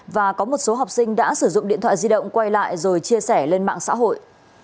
và có một số học sinh đã sử dụng điện thoại di động quay lại rồi chia sẻ lên mạng xã hội